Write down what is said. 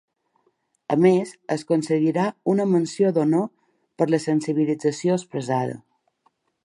A més, es concedirà una menció d’honor per la sensibilització expressada.